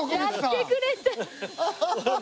やってくれた。